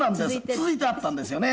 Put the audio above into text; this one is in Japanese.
続いてあったんですよね。